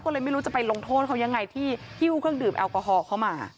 ก็เลยไม่รู้จะไปลงโทษเขายังไงที่ฮิ้วเครื่องดื่มแอลกอฮอล์เข้ามา